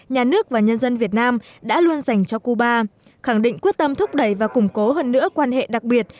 nhà nước và nhân dân việt nam đã luôn dành cho cuba khẳng định quyết tâm thúc đẩy và củng cố hơn nữa quan hệ đặc biệt